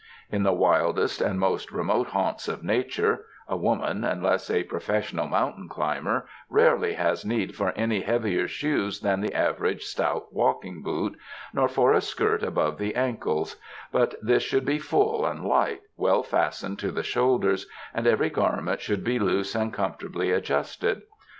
In the wildest and most remote haunts of Nature, a woman, unless a professional mountain climber, rarely has need for any heavier shoes than the average stout walking boot, nor for a skirt above the ankles; but this should be full and light, well fastened to the shoulders, and every garment should be loose and comfortably adjusted.